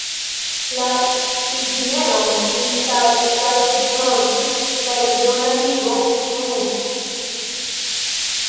La itineron instalis kaj prizorgas la Regiona Ligo Ruhr.